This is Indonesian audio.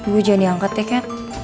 gue jangan diangkat ya kat